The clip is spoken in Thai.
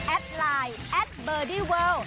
แอดไลน์แอดเบอร์ดี้เวิร์ล